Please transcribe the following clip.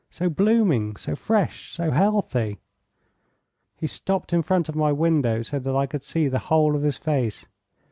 So blooming, so fresh, so healthy. He stopped in front of my window, so that I could see the whole of his face.